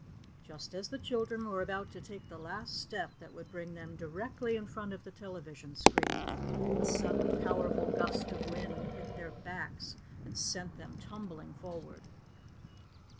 Just as the children were about to take the last step that would bring them directly in front of the television screen, a sudden powerful gust of wind hit their backs and sent them tumbling forward.